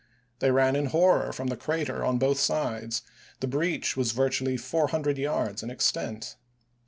They ran in horror from the ppPii7,Tii8. crater on both sides; the breach was virtually four hundred yards in extent.